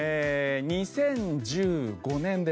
２０１５年ですね。